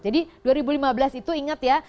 jadi dua ribu lima belas itu ingat ya